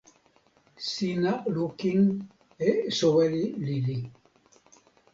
sina lukin e soweli lili.